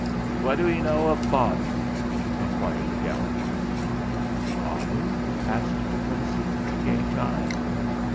"What do 'e know of Baden?" inquired the Galloper. "Baden ?" asked De Quincey, to gain time.